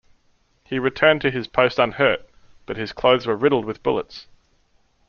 He returned to his post unhurt, but his clothes were riddled with bullets.